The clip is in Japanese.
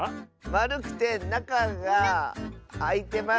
まるくてなかがあいてます。